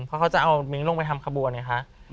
เพราะเขาจะเอามิ้งลงไปทำขบวนไงคะ